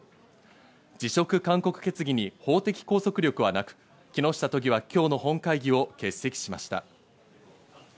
辞職勧告決議に法的拘束力はなく、木下都議は今日の本会議を欠席しました。